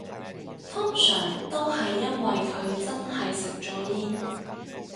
通常都係因為佢真係食咗煙